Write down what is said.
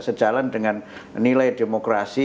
sejalan dengan nilai demokrasi